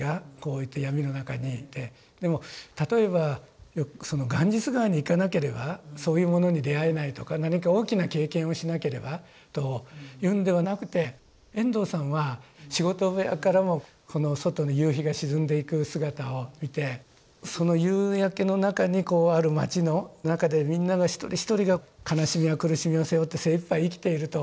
でも例えばガンジス河に行かなければそういうものに出会えないとか何か大きな経験をしなければというんではなくて遠藤さんは仕事部屋からも外の夕日が沈んでいく姿を見てその夕焼けの中にこうある町の中でみんなが一人一人が悲しみや苦しみを背負って精いっぱい生きていると。